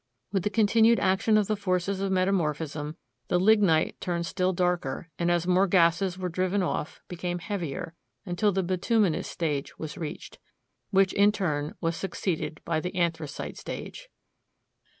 With the continued action of the forces of metamorphism, the lignite turned still darker, and as more gases were driven off, became heavier, until the bituminous stage was reached, which, in turn, was succeeded by the anthracite stage.